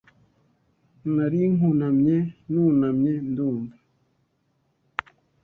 Nari nkunamye nunamye ndumva